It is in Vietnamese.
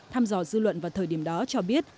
thăm dò dư luận vào thời điểm đó cho biết